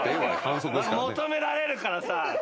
求められるからさ。